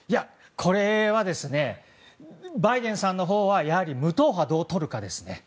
これはバイデン氏のほうは無党派を、どうとるかですね。